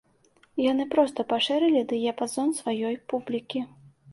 Яны проста пашырылі дыяпазон сваёй публікі.